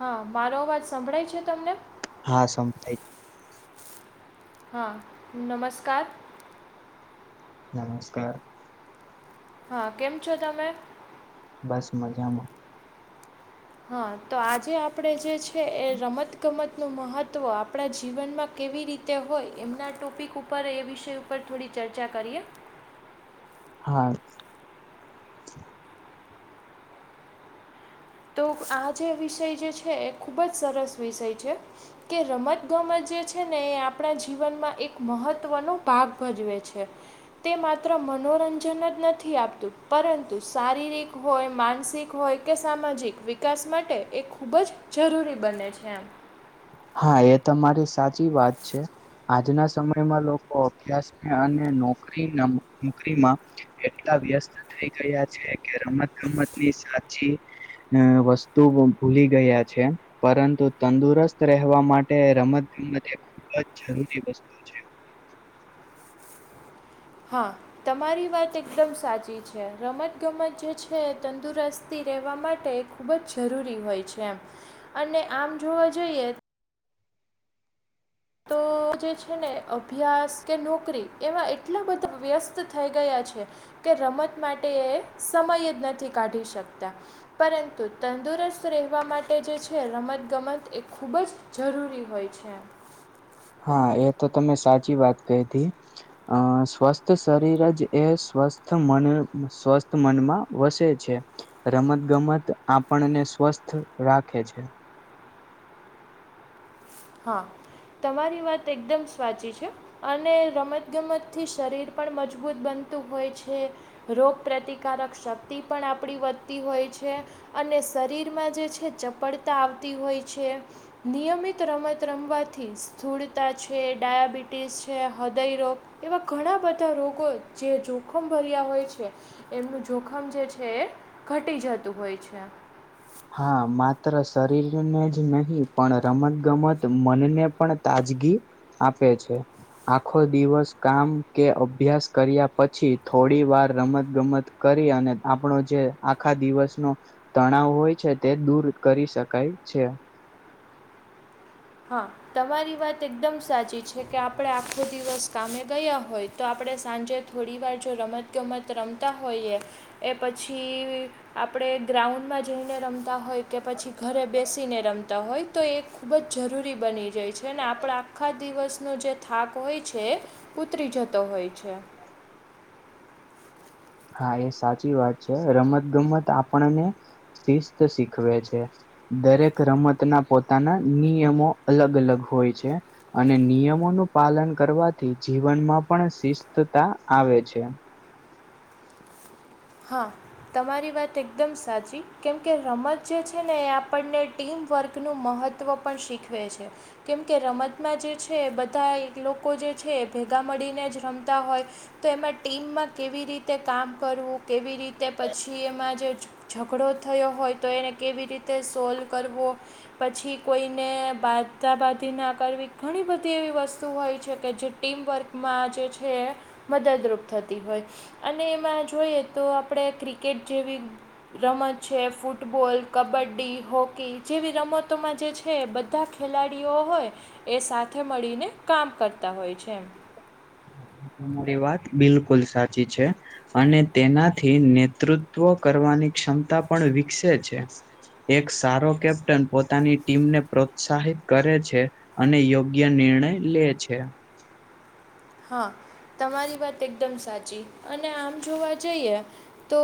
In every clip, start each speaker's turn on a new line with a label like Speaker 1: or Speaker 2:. Speaker 1: હા મારો અવાજ સંભળાય છે તમને
Speaker 2: હા સંપાય છે
Speaker 1: હા નમસ્કાર
Speaker 2: નમસ્કાર
Speaker 1: હા કેમ છો તમે
Speaker 2: બસ મજામાં
Speaker 1: હા તો આજે આપણે જે છે એ રમતગમતનું મહત્વ આપણા જીવનમાં કેવી રીતે તે હોય એમના ટોપિક ઉપર એ વિષય ઉપર થોડી ચર્ચા કરીએ
Speaker 2: હા
Speaker 1: તો આ જે વિષય જે છે એ ખૂબ જ સરસ વિષય છે કે રમત ગમત જે છે ને એ આપણા જીવનમાં એક મહત્વનો ભાગ ભજવે છે તે માત્ર મનોરંજન જ નથી આપતું પરંતુ શારીરિક હોય માનસિક હોય કે સામાજિક વિકાસ માટે એ ખૂબ જ જરૂરી બને છે એમ
Speaker 2: હા એ તમા મારી સાચી વાત છે આજના સમયમાં લોકો અભ્યાસને અને નોકરી નોકરીમાં એટલા વ્યસ્ત થઈ ગયા છે કે રમત ગમત ની સાચી વસ્તુ ભૂલી ગયા છે પરંતુ તંદુરસ્ત રહેવા માટે રમત ગમત ખૂબ જ જરુરી વસ્તુ- છે
Speaker 1: હા. તમારી વાત એકદમ સાચી છે રમતગમત જે છે તંદુરસ્તી રહેવા માટે ખૂબ જ જરૂરી હોય છે એમ અને આમ જોવા જઈએ તો જે છે ને અભ્યાસ કે નોકરી એમાં એટલા બધા વ્યસ્ત થઈ ગયા છે. કે રમત માટે એ સમય જ નથી કાઢી શકતા. પરંતુ તંદુરસ્ત રહેવા માટે જે છે રમત ગમત એ ખૂબ જ જરૂરી હોય છે.
Speaker 2: હા એ તો તમે સાચી વાત કહી હતી. અ સ્વસ્થ શરીર જ એ સ્વસ્થ મન સ્વસ્થ મનમાં વસે છે. રમત ગમત આપણને સ્વસ્થ રાખે છે.
Speaker 1: હા તમારી વાત એકદમ સાચી છે. અને રમત ગમતથી શરીર પણ મજબૂત બનતું હોય છે. રોગ પ્રતિકારક શક્તિ પણ આપડી વધતી હોય છે. અને શરીરમાં જે છે ચપડતા આવતી હોય છે નિયમિત રમત રમત રમવાથી સ્થૂળતા છે, ડાયાબિટીસ છે, હૃદયરોગ એવા ઘણા બધા રોગો જે જોખમ ભર્યા હોય છે. એમનું જોખમ જે છે એ ઘટી જતું હોય છે.
Speaker 2: હા માત્ર શરીરને જ નહીં પણ રમત ગમત મનને પણ તાજગી આપે છે. આખો દિવસ કામ કે અભ્યાસ કર્યા પછી થોડી વાર રમત ગમત કરી અને આપણો જે આખા દિવસ નો તણાવ હોય છે. તે દૂર કરી શકાય છે.
Speaker 1: હા. તમારી વાત એકદમ સાચી છે કે આપણે આખો દિવસ કામે ગયા હોય તો આપણે સાંજે થોડી વાર જો રમતગમત રમતા હોઈએ એ પછી આપણે ગ્રાઉન્ડમાં જઈને રમતા હોય કે પછી ઘરે બેસીને રમતા હોય તો એ ખૂબ જ જરૂરી બની જાય છે અને આપણા આખા દિવસનો જે થાક હોય છે. ઉતરી જતો હોય છે.
Speaker 2: હા એ સાચી વાત છે રમત ગમત આપણને શિસ્ત શીખવે છે. દરેક રમતના પોતાના નિયમો અલગ અલગ હોય છે. અને નિયમોનું પાલન કરવાથી જીવનમાં પણ શિસ્તતા આવે છે.
Speaker 1: હા. તમારી વાત એકદમ સાચી કેમકે રમત જે છે ને એ આપણને ટીમવર્કનું મહત્ત્વ તત્વ પણ શીખવે છે. કેમકે રમતમાં જે છે બધા લોકો જે છે ભેગા મળીને જ રમતા હોય. તો એમાં ટીમમાં કેવી રીતે કામ કરવું કેવી રીતે પછી એમાં જે ઝઘડો થયો હોય તો એને કેવી રીતે સોલ્વ કરવો. પછી કોઈને બાંધતાંબધી ના કરવી ઘણી બધી એવી વસ્તુ હોય છે કે જે ટીમવર્કમાં જે છે મદદરૂપ થતી હોય અને એમાં જોઈએ તો આપણે ક્રિકેટ જેવી રમત છે ફૂટબોલ કબડ્ડી હોકી જેવી રમતોમાં જે છે બધા ખેલાડીઓ હોય એ સાથે મળીને કામ કરતા હોય છે.
Speaker 2: તમારી વાત બિલકુલ સાચી છે. અને તેનાથી નેતૃત્વ કરવાની ક્ષમતા પણ વિકસે છે. એક સારો કેપ્ટન પોતાની ટીમને પ્રોત્સાહિત કરે છે. અને યોગ્ય નિર્ણય લે છે.
Speaker 1: હા તમારી વાત એકદમ સાચી અને આમ જોવા જઈએ તો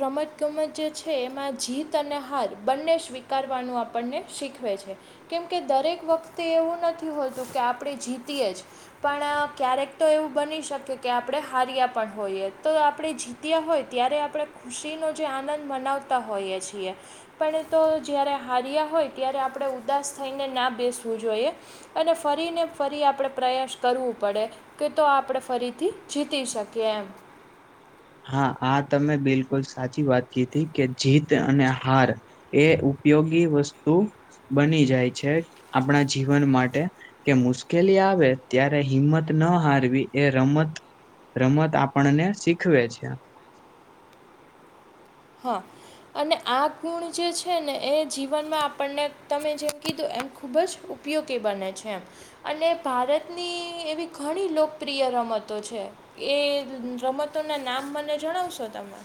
Speaker 1: રમત ગમત જે છે એમાં જીત અને હાર બંને સ્ કરવાનું આપણને શીખવે છે. કેમ કે દરેક વખતે એવું નથી હોતું, કે આપણે જીતીએ જ પણ. ક્યારેક તો એવું બની શકે કે, આપણે હાર્યા પણ હોઈએ, તો આપણે જીત્યા હોય, ત્યારે આપણે ખૃષીનો જે આનંદ મનાવતા હોઈએ છીએ. પણ એ તો જ્યારે હાર્યા હોય, ત્યારે આપણે ઉદાસ થઈને ના બેસવું જોઈએ. અને ફરીને, ફરી આપણે પ્રયાસ કરવું. પડે કે, તો આપણે ફરીથી જીતી શકીએ એમ.
Speaker 2: હા, આ તમે બિલકુલ, સાચી વાત કીધી હતી, કે જીત અને હાર. એ ઉપયોગી વસ્તુ બની જાય છે, આપણા જીવન માટે કે મુશ્કેલી આવે, ત્યારે હિંમત ન હારવી, એ રમત. રમત આપણને શીખવે છે.
Speaker 1: હા. અને આ ગુણ જે છે ને, એ જીવનમાં આપણને તમે જેમ કીધું, એમ ખૂબ જ ઉપયોગી બને છે. અને ભારતની એવી ઘણી લોકપ્રિય રમતો છે. એ રમતો ના નામ મને જણાવશો તમે?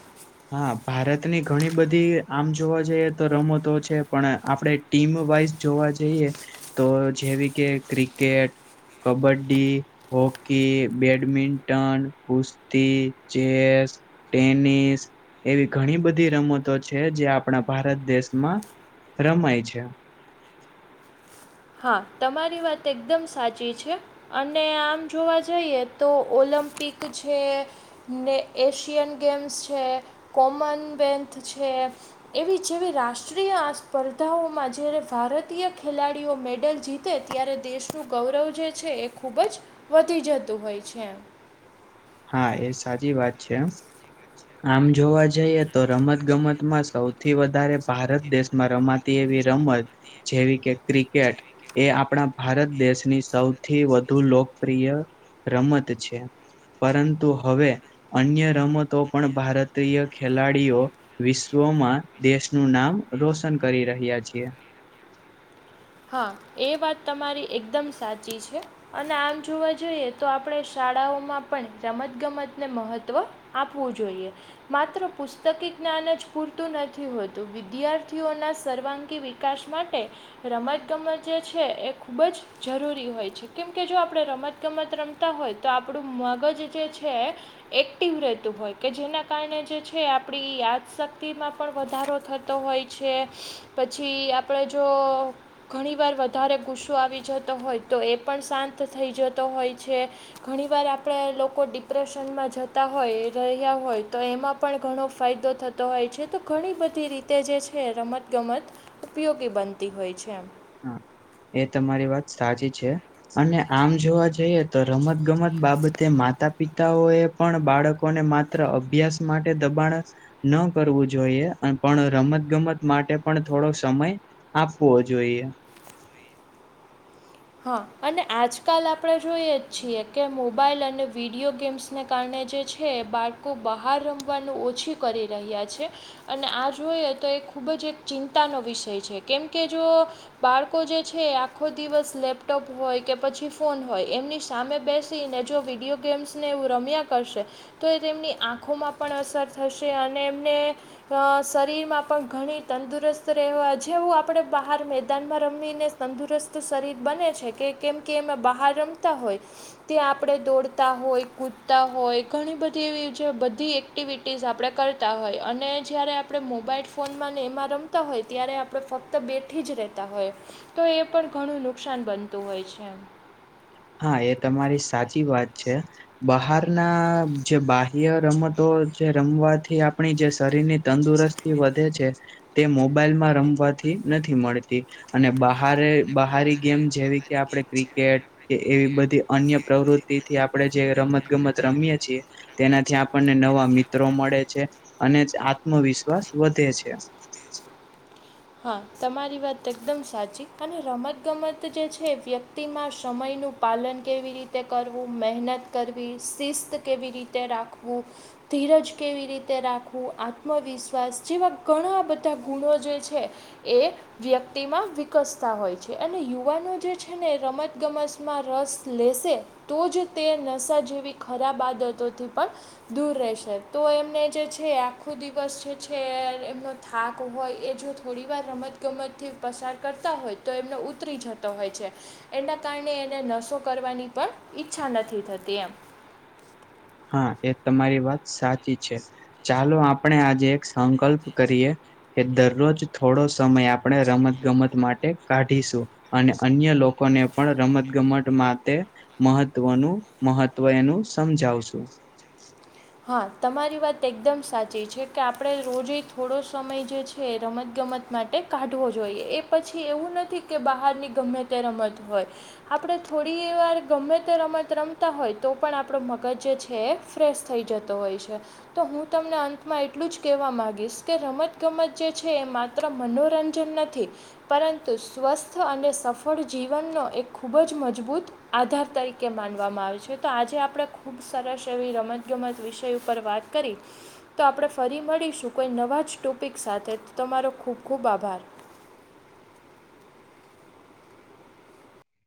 Speaker 2: હા, ભારતની ઘણી બધી આમ જોવા જઈએ તો રમતો છે, પણ આપણે ટીમ, વાઈઝ જોવા જઈએ, તો જેવી કે ક્રિકેટ કબડ્ડી. હોકી, બેડમિંન્ટન, કુસ્તી, ચેસ. ટેનિસ. એવી ઘણી બધી રમતો છે, જે આપણા ભારત દેશમાં રમાય છે.
Speaker 1: હા, તમારી વાત એકદમ સાચી છે. અને આમ જોવા જઈએ, તો ઓલમ્પિક છે. ને એશિયન ગેમ્સ છે, કોમનવેલ્થ છે. એવી જેવી રાષ્ટ્રીય આ સ્પર્ધાઓમાં, જ્યારે ભારતીય ખેલાડી. મેડલ જીતે, ત્યારે દેશનું ગૌરવ જે છે, એ ખૂબ જ. વધી જતું હોય છે, એ
Speaker 2: હા, એ સાચી વાત છે. આમ જોવા જઈએ તો, રમત ગમતમાં સૌથી વધારે ભારત દેશમાં રમત તેવી રમત જેવી કે, ક્રિકેટ. એ આપણા ભારત દેશની સૌથી વધુ લોકપ્રિય રમત છે. પરંતુ હવે, અન્ય રમતો પણ ભારતીય ખેલાડીઓ. વિશ્વમાં દેશનું નામ રોશન કરી રહ્યા છીએ.
Speaker 1: હા, એ વાત તમારી એકદમ સાચી છે. અને આમ જોવા જઈએ તો, આપણે શાળાઓમાં પણ રમત ગમતને મહત્વ આપવું જોઈએ. માત્ર પુસ્તકી જ્ઞાન જ પૂરતું નથી હોતું, વિદ્યાર્થીઓના સર્વાંગી વી વિકાસ માટે રમતગમત જે છે, એ ખૂબ જ જરૂરી હોય છે, કેમ કે જો આપણે રમત ગમત રમતા હોય, તો આપણું મગજ જે છે. એક્ટિવ રહેતું હોય કે, જેના કારણે જે છે, આપણી યાદશક્તિમાં પણ વધારો થતો. તો હોય છે, પછી આપણે જો ઘણી વાર વધારે ગુસ્સો આવી જતો હોય તો, એ પણ શાંત થઈ જતો હોય છે. ઘણી વાર આપણા લોકો ડિપ્રેશનમાં જતા હોય, રહ્યા હોય, તો એમાં પણ ઘણો ફાયદો થતો. હોય છે, તો ઘણી બધી રીતે જે છે, રમત-ગમત ઉપયોગી બનતી હોય છે.
Speaker 2: હા, એ તમારી વાત સાચી છે. અને આમ જોવા જઈએ, તો રમત-ગમત બાબતે માતા- પિતાઓ એ પણ બાળકોને માત્ર અભ્યાસ માટે દબાણ. ન કરવું જોઈએ, પણ રમત-ગમત માટે પણ થોડો સમય. આપવો જોઈએ.
Speaker 1: હા અને આજકાલ આપણે જોઈએ છીએ કે મોબાઈલ અને વિડીયો ગેમ્સ ને કારણે જે છે બાળકો બહાર રમવાનું ઓછી કરી રહ્યા છે અને આ જોઈએ તો એ ખૂબ જ એક ચિંતાનો વિષય છે કેમ કે જો બાળકો જે છે આખો દિવસ લેપટોપ હોય કે પછી ફોન હોય એમની સામે બેસીને જો વિડીયો ગેમ્સને એવું રમ્યા કરશે તો એ તેમની આંખોમાં પણ અસર થશે અને એમને શરીરમાં પણ ઘણી તંદુરસ્ત રહેવા જેવું આપણે બહાર મેદાનમાં રમીને તંદુરસ્ત શરીર બને છે કે કેમ કે એમે બહાર રમતા હોય તે આપણે દોડતા હોય કૂદતા હોય ઘણી બધી એવી બધી એક્ટિવિટીઝ આપણે કરતા હોય અને જ્યારે આપણે મોબાઈલ ફોનમાં ને એમાં રમતા હોય ત્યારે આપણે ફક્ત તો બેઠી જ રહેતા હોય તો એ પણ ઘણું નુકસાન બનતું હોય છે
Speaker 2: હા એ તમારી સાચી વાત છે બહાર ના જે બાહ્ય રમતો જે રમવાથી આપણી જે શરીરની તંદુરસ્તી વધે છે તે મોબાઈલમાં રમવાથી નથી મળતી અને બહારે બહારી ગેમ જેવી કે આપણે ક્રિકેટ કે એવી બધી અન્ય પ્રવૃતિથી આપડણે જે રમત ગમત રમીએ છીએ તેનાથી આપણને નવા મિત્રો મળે છે અને આત્મવિશ્વાસ વધે છે
Speaker 1: હા તમારી વાત એકદમ સાચી અને રમતગમત જે છે વ્યક્તિમાં સમયનું પાલન કેવી રીતે કરવું મહેનત કરવી શિસ્ત કેવી રીતે રાખવું ધીરજ કેવી રીતે રાખવું આત્મવિશ્વાસ જેવા ઘણા બધા ગુણો જે છે એક વ્યક્તિમાં વિકસતા હોય છે અને યુવાનો જે છે ને રમતગમતમાં રસ લેશે તો જ તે નશા જેવી ખરાબ આદતોથી પણ દૂર રહેશે તો એમને જે છે આખો દિવસ જે છે એમનો થાક હોય એ જો થોડી વાર રમતગમતથી પસાર કરતા હોય તો એમને ઉતરી જતો હોય છે એના કારણે એને નસો કરવાની પણ ઈચ્છા નથી થતી એમ
Speaker 2: હા એ તમારી વાત સાચી છે ચાલો આપણે આજે એક સંકલ્પ કરીએ એ દરરોજ થોડો સમય આપણે રમત ગમત માટે કાઢીશું અને અન્ય લોકોને પણ રમત ગમત માટે મહત્વનું મહત્વ એનું સમજાવશું
Speaker 1: હા તમારી વાત એકદમ સાચી છે કે આપણે રોજે થોડો સમય જે છે રમતગમત માટે કાઢવો જોઈએ એ પછી એવું નથી કે બહારની ગમે તે રમત હોય આપડ થોડી વાર ગમે તે રમત રમતા હોય તો પણ આપડો મગજ જે છે એ ફ્રેશ થઈ જતો હોય છે તો હું તમને અંતમાં એટલું જ કેવા માંગીશ કે રમત ગમત જે છે એ માત્ર માત્ર મનોરંજન નથી પરંતુ સ્વસ્થ અને સફળ જીવનનો એ ખૂબ જ મજબૂત આધાર તરીકે માનવામાં આવે છે તો આજે આપણે ખુબ સરસ એવી રમત ગમત વિષય ઉપર વાત કરી તો આપણે ફરી મળીશું કોઈ નવા જ ટોપિક સાથે તમારો ખૂબ ખૂબ આભાર